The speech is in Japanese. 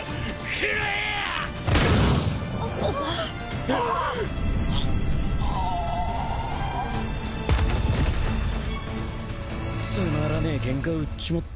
つまらねえケンカ売っちまったぜ。